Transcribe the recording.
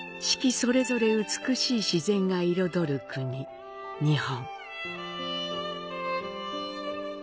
それぞれ美しい自然が彩る国、日本。